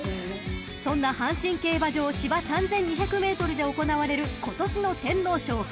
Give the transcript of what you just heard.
［そんな阪神競馬場芝３，２００ｍで行われる今年の天皇賞］